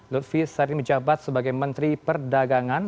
lutfi saat ini menjabat sebagai menteri perdagangan